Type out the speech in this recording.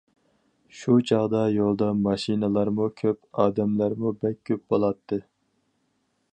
شۇ چاغدا يولدا ماشىنىلارمۇ كۆپ، ئادەملەرمۇ بەك كۆپ بولاتتى.